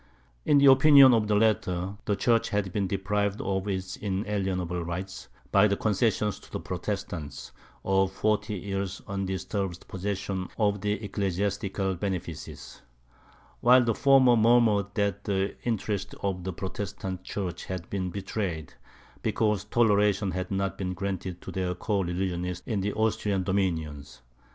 In the opinion of the latter, the church had been deprived of its inalienable rights, by the concession to the Protestants of forty years' undisturbed possession of the ecclesiastical benefices; while the former murmured that the interests of the Protestant church had been betrayed, because toleration had not been granted to their co religionists in the Austrian dominions.